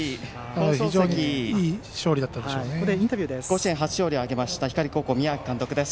放送席、甲子園で初勝利を挙げました光高校の宮秋監督です。